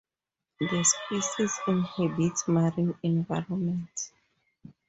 The species inhabits marine environment.